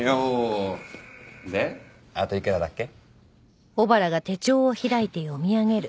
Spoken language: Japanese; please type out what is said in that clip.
であといくらだっけ？